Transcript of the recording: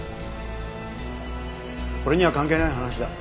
俺には関係ない話だ。